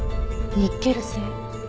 ニッケル製？